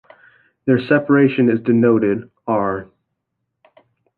Their separation is denoted "r".